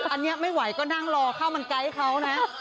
อันนี้ไม่ไหวก็นั่งรอข้าวมันไกด์เขานะ